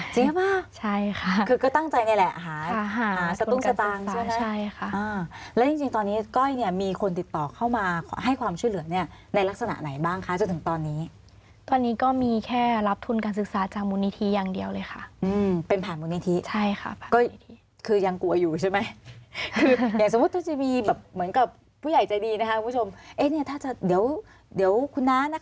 ใช่ค่ะแล้วจริงตอนนี้ก้อยเนี่ยมีคนติดต่อเข้ามาให้ความช่วยเหลือเนี่ยในลักษณะไหนบ้างคะจนถึงตอนนี้ตอนนี้ก็มีแค่รับทุนการศึกษาจากบุญนิธีอย่างเดียวเลยค่ะเป็นผ่านบุญนิธีใช่ค่ะคือยังกลัวอยู่ใช่ไหมคืออย่างสมมุติจะมีแบบเหมือนกับผู้ใหญ่ใจดีนะคะคุณผู้ชมเนี่ยถ้าจะเดี๋ยวเดี๋ยวค